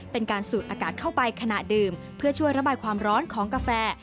เป็นการสูดอากาศเข้าไปขณะดื่มเพื่อช่วยระบายความร้อนของกาแฟ